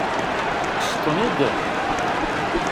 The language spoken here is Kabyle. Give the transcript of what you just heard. Tekkseḍ-ten-id?